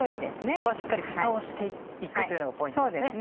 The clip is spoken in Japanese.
ここはしっかりふたをして行くというのがポイントですね。